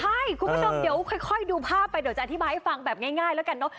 ใช่คุณผู้ชมเดี๋ยวค่อยดูภาพไปเดี๋ยวจะอธิบายให้ฟังแบบง่ายแล้วกันเนอะ